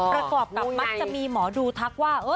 ประกอบกับมักจะมีหมอดูทักว่า